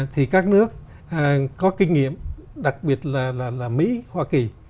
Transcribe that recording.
thì các nước có kinh nghiệm đặc biệt là mỹ hoa kỳ